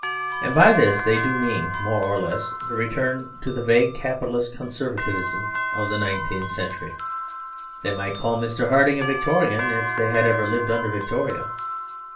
And by this they do mean, more or less, the return to the vague capitalist conservatism of the nineteenth century. They might call Mr. Harding a Victorian if they had ever lived under Victoria.